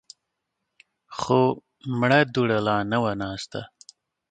خو مړه دوړه لا نه وه ناسته.